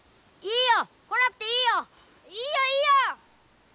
いいよいいよ！